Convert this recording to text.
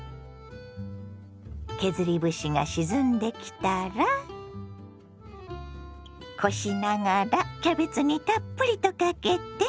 削り節が沈んできたらこしながらキャベツにたっぷりとかけて。